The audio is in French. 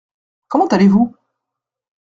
Comment allez-vous ?